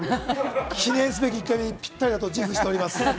記念すべき１回目にぴったりだと、自負しております。